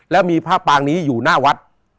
แล้วมีพระปางนี้อยู่หน้าวัด